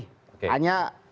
hanya soal calonnya siapa kan